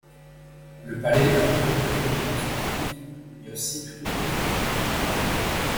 Le Palais accueille tout événement sportif mais aussi tout autre type d’événement.